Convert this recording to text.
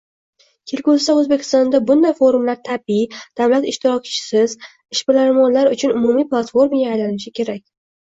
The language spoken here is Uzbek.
Kelgusida, O'zbekistonda bunday forumlar tabiiy, davlat ishtirokisiz, ishbilarmonlar uchun umumiy platformaga aylanishi kerak